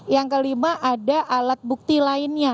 yang kelima ada alat bukti lainnya